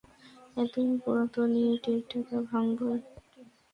এত পুরাতন ইট, এইটা ত ভাঙবোই।